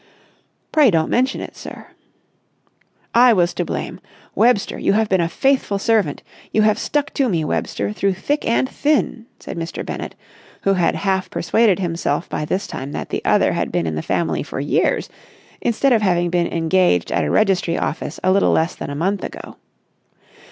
"Pray don't mention it, sir." "I was to blame. Webster, you have been a faithful servant! You have stuck to me, Webster, through thick and thin!" said Mr. Bennett, who had half persuaded himself by this time that the other had been in the family for years instead of having been engaged at a registry office a little less than a month ago.